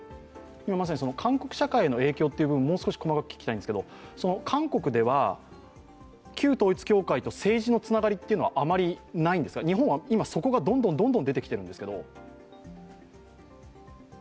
まさに韓国社会への影響という部分、もう少し細かく聞きたいんですけど韓国では旧統一教会と政治のつながりは、あまりないんですか、日本は今、そこがどんどん出てきているんですけど。